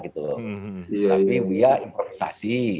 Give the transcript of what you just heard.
tapi buya improvisasi